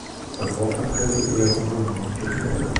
Пад вопраткаю ў яго быў нямецкі штык.